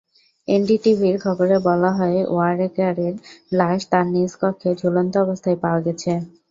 এনডিটিভির খবরে বলা হয়, ওয়ারেকারের লাশ তাঁর নিজ কক্ষে ঝুলন্ত অবস্থায় পাওয়া গেছে।